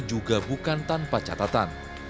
juga bukan tanpa catatan